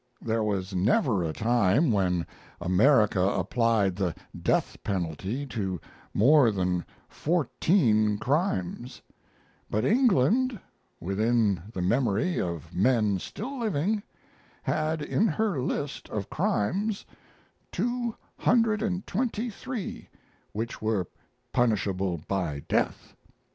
There was never a time when America applied the death penalty to more than fourteen crimes. But England, within the memory of men still living, had in her list of crimes 223 which were punishable by death!